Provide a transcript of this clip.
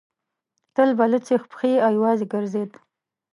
تل به لڅې پښې او یوازې ګرځېد.